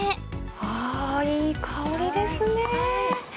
あー、いい香りですね。